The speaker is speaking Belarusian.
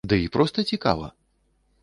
Ды і проста цікава!